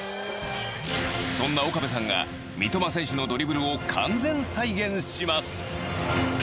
そんな岡部さんが三笘選手のドリブルを完全再現します。